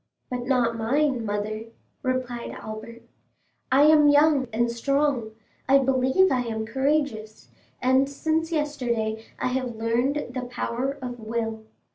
"But not mine, mother," replied Albert. "I am young and strong; I believe I am courageous, and since yesterday I have learned the power of will.